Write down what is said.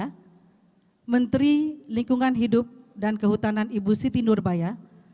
pertama menteri lingkungan hidup dan kehutanan ibu siti nurbaya